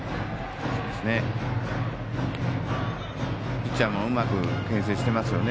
ピッチャーもうまくけん制していますよね。